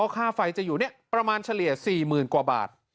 ค่าไฟจะอยู่ประมาณเฉลี่ย๔๐๐๐๐บาท